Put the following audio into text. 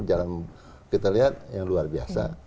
jalan kita lihat yang luar biasa